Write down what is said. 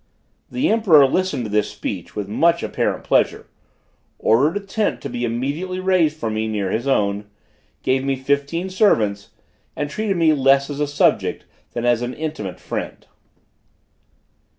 The emperor listened to this speech with much apparent pleasure, ordered a tent to be immediately raised for me near his own, gave me fifteen servants, and treated me less as a subject than as an intimate friend.